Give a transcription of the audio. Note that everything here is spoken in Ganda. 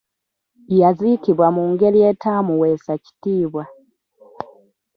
Yaziikibwa mu ngeri etaamuweesa kitiibwa.